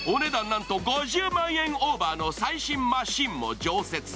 なんと５０万円オーバーの最新マシンも常設。